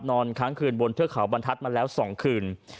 นอนค้างคืนบนเทือกเขาบรรทัศน์มาแล้ว๒คืน